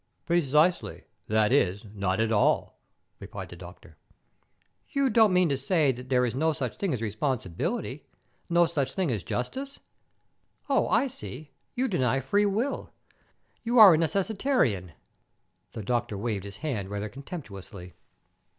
"Precisely; that is, not at all," replied the doctor. "You don't mean to say there is no such thing as responsibility, no such thing as justice. Oh, I see, you deny free will. You are a necessitarian." The doctor waved his hand rather contemptuously.